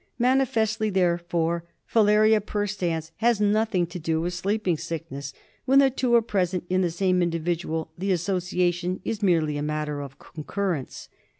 Manifestly, therefore, Filaria perstans has nothing to do with Sleeping Sickness; when the two are present in the same individual the association is merely a matter of concurrence.